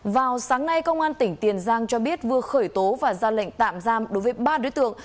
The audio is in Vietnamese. vào sáng nay công an tỉnh tiền giang cho biết vừa khởi tố và ra lệnh tạm giam đối với ba đối tượng